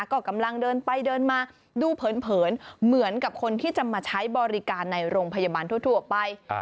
ก็กำลังเดินไปเดินมาดูเผินเหมือนกับคนที่จะมาใช้บริการในโรงพยาบาลทั่วไป